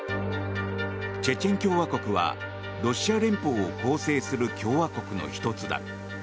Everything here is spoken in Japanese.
チェチェン共和国はロシア連邦を構成する共和国の１つだ。